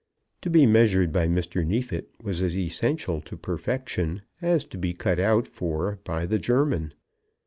To be measured by Mr. Neefit was as essential to perfection as to be cut out for by the German.